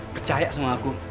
kecaya sama aku